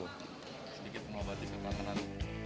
sedikit pengobati kemenangan